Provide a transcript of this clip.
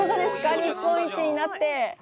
日本一になって。